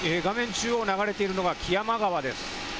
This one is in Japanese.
中央を流れているのが木山川です。